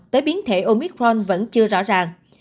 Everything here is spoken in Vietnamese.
tới biến thể omicron vẫn chưa rõ ràng